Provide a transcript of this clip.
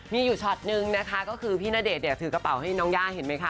มีอยู่ช็อตนึงนะคะก็คือพี่ณเดชน์เนี่ยถือกระเป๋าให้น้องย่าเห็นไหมคะ